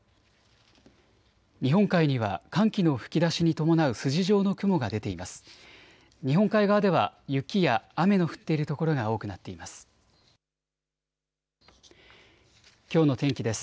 日本海には寒気の吹き出しに伴う筋状の雲が出ています。